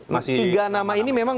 tiga nama ini memang